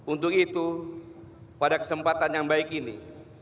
untuk itu pada kesempatan yang baik ini